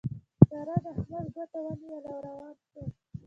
سارا د احمد ګوته ونيوله او روان شول.